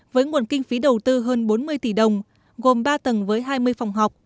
hơn bốn mươi tỷ đồng gồm ba tầng với hai mươi phòng học